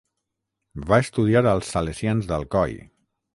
Va estudiar als Salesians d'Alcoi.